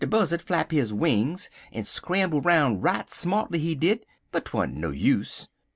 Buzzard flap his wings, en scramble 'roun' right smartually, he did, but 'twant no use.